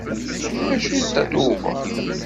D acu d Tatoeba?